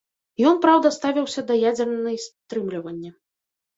Ён, праўда, ставіўся да ядзернай стрымліванні.